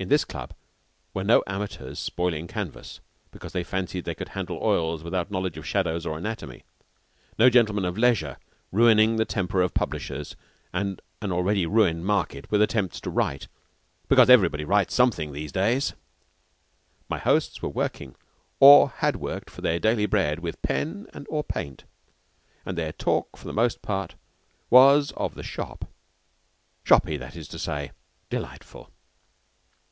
In this club were no amateurs spoiling canvas, because they fancied they could handle oils without knowledge of shadows or anatomy no gentleman of leisure ruining the temper of publishers and an already ruined market with attempts to write "because everybody writes something these days." My hosts were working, or had worked for their daily bread with pen or paint, and their talk for the most part was of the shop shoppy that is to say, delightful.